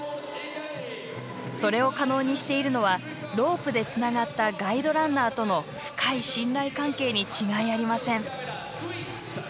それを可能にしているのはロープでつながったガイドランナーとの深い信頼関係に違いありません。